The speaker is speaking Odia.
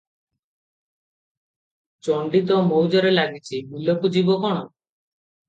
ଚଣ୍ଡି ତ ମୌଜରେ ଲାଗିଛି, ବିଲକୁ ଯିବ କଣ?